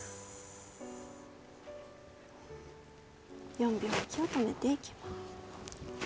４秒息を止めていきます。